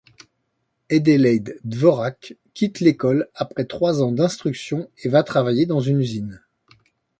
Adelheid Dworak quitte l'école après trois ans d'instruction et va travailler dans une usine.